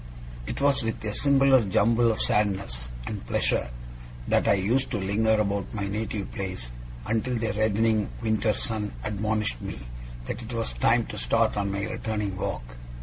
It was with a singular jumble of sadness and pleasure that I used to linger about my native place, until the reddening winter sun admonished me that it was time to start on my returning walk.